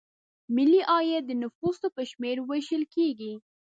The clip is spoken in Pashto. ملي عاید د نفوسو په شمېر ویشل کیږي.